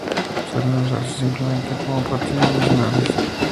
Suelen usarse simplemente como prótesis provisionales.